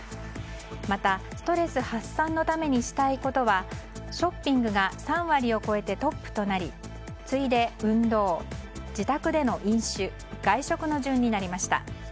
またストレス発散のためにしたいことはショッピングが３割を超えてトップとなり次いで運動、自宅での飲酒外食の順になりました。